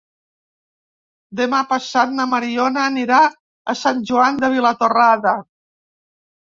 Demà passat na Mariona anirà a Sant Joan de Vilatorrada.